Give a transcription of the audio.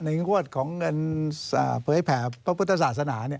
งวดของเงินเผยแผ่พระพุทธศาสนา